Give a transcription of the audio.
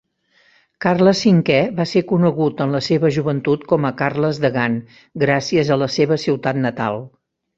Carles V va ser conegut en la seva joventut com a "Carles de Gant", gràcies a la seva ciutat natal.